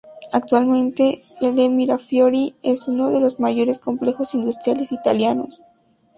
Actualmente el de Mirafiori es uno de los mayores complejos industriales italianos.